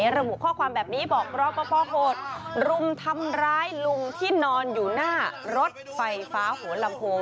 ระบุข้อความแบบนี้บอกรอปภโหดรุมทำร้ายลุงที่นอนอยู่หน้ารถไฟฟ้าหัวลำโพง